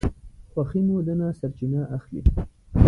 خوښي مو ده نه سرچینه اخلي